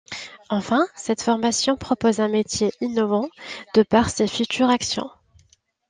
Enfin, cette formation propose un métier innovant de par ses futures actions.